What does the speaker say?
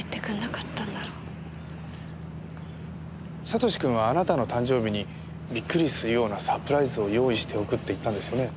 悟志君はあなたの誕生日にびっくりするようなサプライズを用意しておくって言ったんですよね？